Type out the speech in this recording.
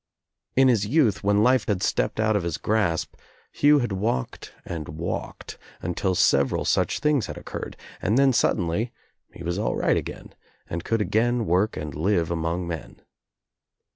In his youth, when life had stepped out of his grasp, Hugh had walked and walked until several such things had occurred and then suddenly he was all 122 THE TRIUMPH OF THE EGG right again and could again work and live among men.